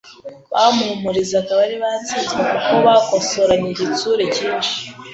bampumurizaga bari batsinzwe kuko bakosoranye igitsure cyinshi.